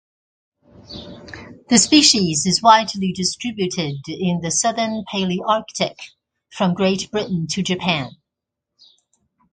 The species is widely distributed in the southern Palaearctic from Great Britain to Japan.